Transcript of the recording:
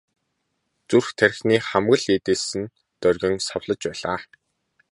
Зүрх тархины хамаг л эд эс нь доргин савлаж байлаа.